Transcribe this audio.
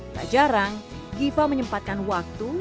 tak jarang giva menyempatkan waktu